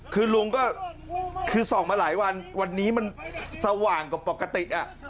คือลุงก็คือส่องมาหลายวันวันนี้มันสว่างกว่าปกติ